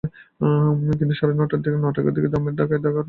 কিন্তু সাড়ে ন-টাকা দামের ঢাকাই কাপড় তখনই-তখনই তোমার জুটল কোথায়?